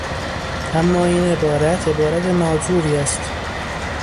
اما این عبارت، عبارت ناجوری است.